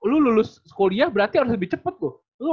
lu lulus kuliah berarti harus lebih cepet tuh